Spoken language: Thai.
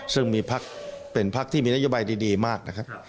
ซึ่งมีพักเป็นพักที่มีนโยบายดีมากนะครับ